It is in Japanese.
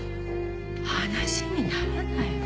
話にならないわ。